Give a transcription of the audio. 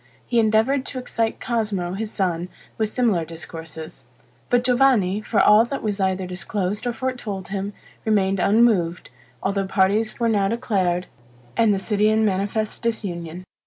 He endeavored to excite Cosmo, his son, with similar discourses; but Giovanni, for all that was either disclosed or foretold him, remained unmoved, although parties were now declared, and the city in manifest disunion.